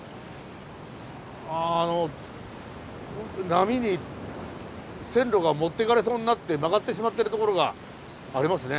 波に線路が持っていかれそうになって曲がってしまってる所がありますね。